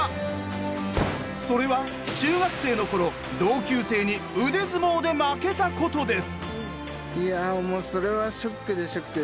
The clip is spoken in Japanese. それは中学生の頃同級生に腕相撲で負けたことです。